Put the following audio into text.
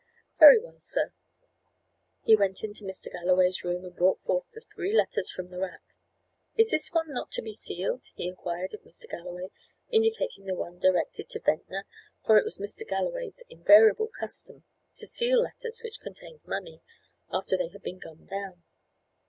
"Very well, sir." He went into Mr. Galloway's room, and brought forth the three letters from the rack. "Is this one not to be sealed?" he inquired of Mr. Galloway, indicating the one directed to Ventnor, for it was Mr. Galloway's invariable custom to seal letters which contained money, after they had been gummed down.